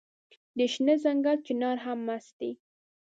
د شنه ځنګل چنار هم مست دی